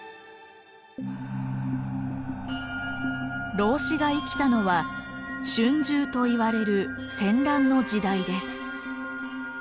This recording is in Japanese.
老子が生きたのは春秋といわれる戦乱の時代です。